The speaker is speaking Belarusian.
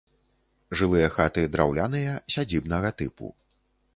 Жылыя хаты драўляныя сядзібнага тыпу.